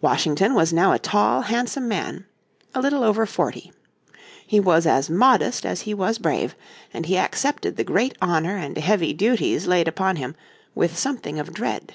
Washington was now a tall, handsome man, little over forty. He was as modest as he was brave, and he accepted the great honour and heavy duties laid upon him with something of dread.